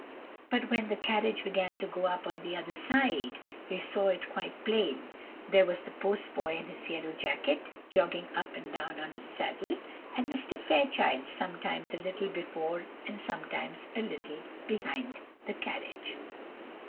But when the carriage began to go up on the other side, they saw it quite plain; there was the post boy in his yellow jacket, jogging up and down on his saddle, and Mr. Fairchild sometimes a little before and sometimes a little behind the carriage.